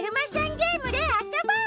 ゲームであそぼう！